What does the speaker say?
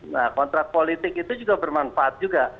nah kontrak politik itu juga bermanfaat juga